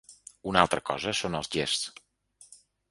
Una altra cosa són els gests.